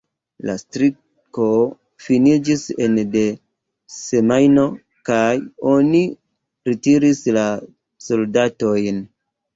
La striko finiĝis ene de semajno kaj oni retiris la soldatojn.